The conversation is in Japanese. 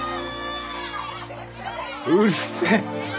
うるせえ。